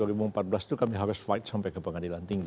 dua ribu empat belas itu kami harus fight sampai ke pengadilan tinggi